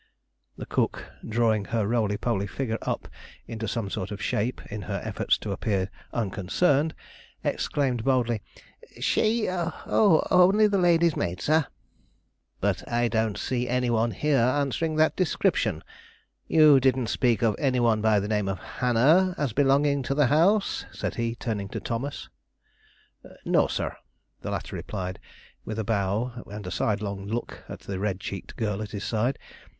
The cook, drawing her roly poly figure up into some sort of shape in her efforts to appear unconcerned, exclaimed boldly: "She? Oh, only the ladies' maid, sir." "But I don't see any one here answering to that description. You didn't speak of any one by the name of Hannah, as belonging to the house," said he, turning to Thomas. "No, sir," the latter replied, with a bow and a sidelong look at the red cheeked girl at his side.